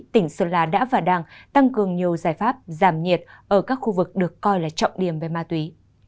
tỉnh sơn la đã và đang tăng cường nhiều giải pháp giảm nhiệt ở các khu vực được coi là trọng điểm về ma túy